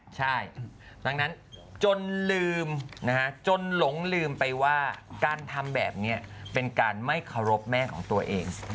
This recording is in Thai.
ใช่ดังนั้นจนลืมจนหลงลืมไปว่าการทำแบบนี้เป็นการไม่เคารพแม่ของตัวเอง